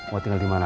mau tinggal dimana